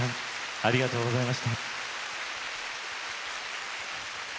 ありがとうございます。